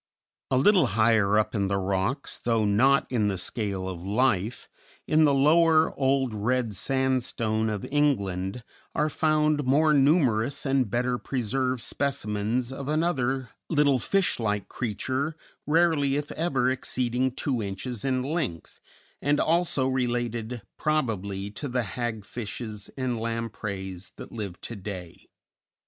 A little higher up in the rocks, though not in the scale of life, in the Lower Old Red Sandstone of England, are found more numerous and better preserved specimens of another little fish like creature, rarely if ever exceeding two inches in length, and also related (probably) to the hag fishes and lampreys that live to day.